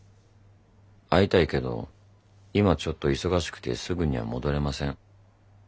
会いたいけど今ちょっと忙しくてすぐには戻れません。